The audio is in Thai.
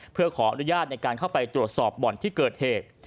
เพื่อขออนุญาตในการเข้าไปตรวจสอบบ่อนที่เกิดเหตุ